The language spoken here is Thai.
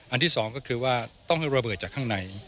ที่สองก็คือว่าต้องให้ระเบิดจากข้างใน